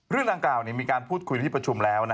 เรื่องดังกล่าวมีการพูดคุยที่ประชุมแล้ว